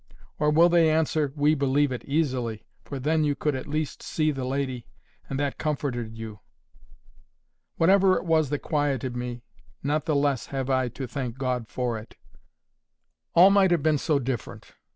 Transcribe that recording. Or will they answer, "We believe it easily; for then you could at least see the lady, and that comforted you?" Whatever it was that quieted me, not the less have I to thank God for it. All might have been so different.